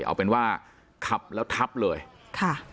เอาเป็นว่าขับแล้วทับเลยค่ะ